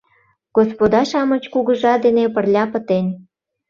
Господа-шамыч кугыжа дене пырля пытен.